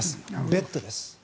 ベッドです。